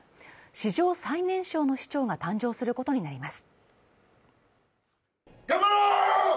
史上最年少の市長が誕生することになります。